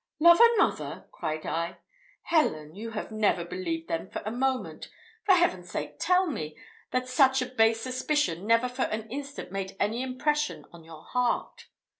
"Love another!" cried I. "Helen, you have never believed them for a moment. For Heaven's sake tell me, that such a base suspicion never for an instant made any impression on your heart."